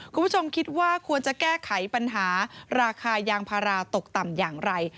คุณผู้ชมคิดว่าควรจะแก้ไขปัญหาราคายางพาราตกต่ำอย่างไร